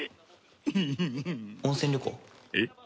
えっ？